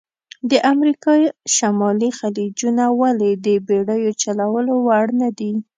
د امریکا شمالي خلیجونه ولې د بېړیو چلول وړ نه دي؟